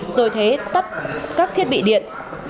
rồi thế tắt các thiết bị điện